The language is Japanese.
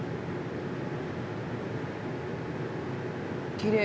きれい。